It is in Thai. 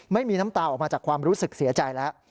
ไม่มีน้ำตาออกมาจากความรู้สึกเสียใจแล้ว